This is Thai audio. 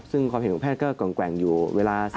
ซึ่งความเห็นของแพทย์ก็แกว่งอยู่เวลา